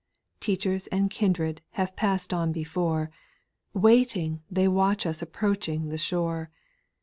Teachers and kindred have pass'd on before. Waiting, they watch us approaching the shore.